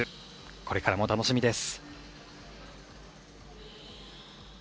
これからも楽しみです。